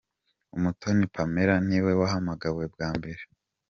Umutoni Pamela niwe wahamagawe bwa mbere.